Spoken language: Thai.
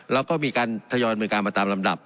แล้วก็มีการทยอยบริการมาตามลำดับ